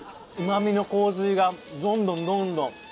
うまみの洪水がどんどんどんどん。